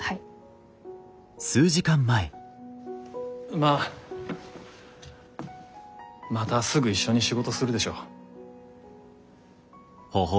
まあまたすぐ一緒に仕事するでしょう。